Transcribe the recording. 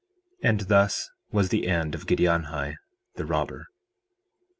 And thus was the end of Giddianhi the robber.